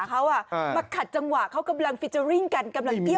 เขาบอกว่าสนใจกันหน่อย